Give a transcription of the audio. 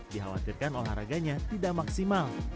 dikhawatirkan olahraganya tidak maksimal